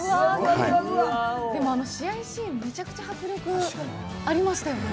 でも、試合シーンめちゃめちゃ迫力ありましたね。